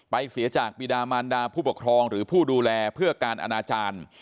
เสียจากปีดามันดาผู้ปกครองหรือผู้ดูแลเพื่อการอนาจารย์